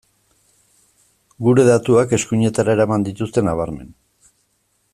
Gure datuak eskuinetara eraman dituzte nabarmen.